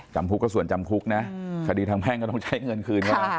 จำคุกก็ส่วนจำคุกนะคดีทางแพ่งก็ต้องใช้เงินคืนเขานะ